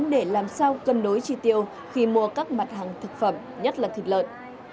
thực hiện sử dụng cách kính toán để làm sao cân đối chi tiêu khi mua các mặt hàng thực phẩm nhất là thịt lợn